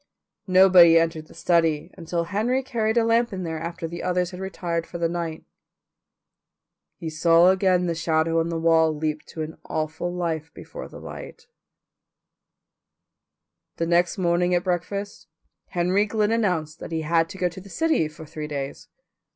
Nobody entered the study until Henry carried a lamp in there after the others had retired for the night. He saw again the shadow on the wall leap to an awful life before the light. The next morning at breakfast Henry Glynn announced that he had to go to the city for three days.